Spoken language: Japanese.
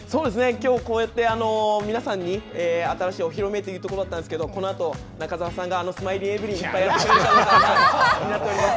きょうこうやって皆さんに新しいお披露目というところだったんですけど、このあと、中澤さんがスマイリンエブリンをやってくれることになっています。